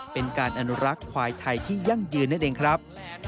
เป็นการอนุรักษ์ควายไทยที่ยั่งยืนนั่นเองครับ